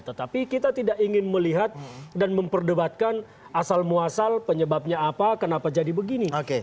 tetapi kita tidak ingin melihat dan memperdebatkan asal muasal penyebabnya apa kenapa jadi begini